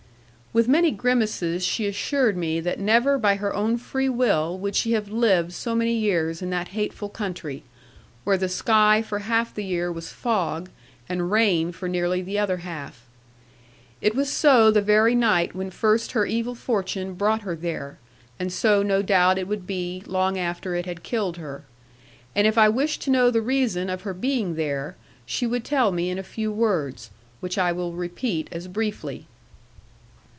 'With many grimaces she assured me that never by her own free will would she have lived so many years in that hateful country, where the sky for half the year was fog, and rain for nearly the other half. It was so the very night when first her evil fortune brought her there; and so no doubt it would be, long after it had killed her. But if I wished to know the reason of her being there, she would tell me in few words, which I will repeat as briefly.